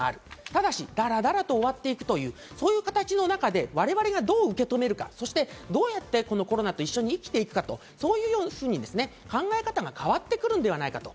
ただしダラダラと終わっていくというそういう形の中でを我々がどう受け止めるのか、どうやってコロナと一緒に生きていくのか、そういうふうに考え方が変わってくるのではないかと。